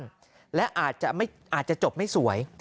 คำที่คิดสั้นและอาจจะจบไม่สวย